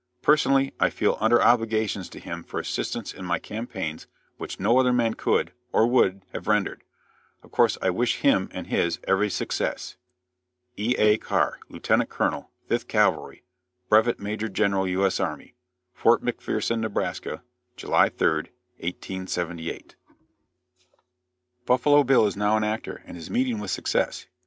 Personally, I feel under obligations to him for assistance in my campaigns which no other man could, or would, have rendered. Of course I wish him, and his, every success." E. A. CARR, Lt. Col. 5th Cav., Brev. Maj. Gen'l U. S. Army. FORT McPHERSON, NEBRASKA, July 3d, 1878 Buffalo Bill is now an actor, and is meeting with success.